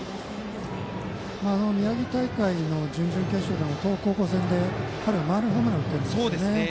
宮城大会の準々決勝でも東北高校戦で彼は満塁ホームランを打ってるんですよね。